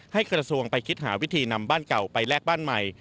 กระทรวงไปคิดหาวิธีนำบ้านเก่าไปแลกบ้านใหม่